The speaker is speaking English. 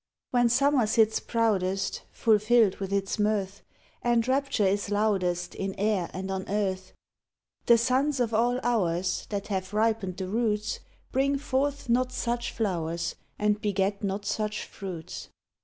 When summer sits proudest, Fulfilled with its mirth, And rapture is loudest In air and on earth, The suns of all hours That have ripened the roots Bring forth not such flowers And beget not such fruits.